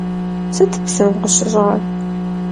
Sıt psım khışış'ar?